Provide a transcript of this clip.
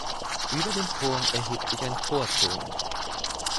Über dem Chor erhebt sich ein Chorturm.